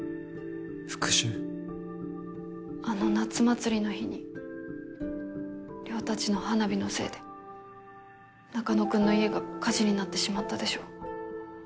あの夏祭りの日に稜たちの花火のせいで中野くんの家が火事になってしまったでしょう？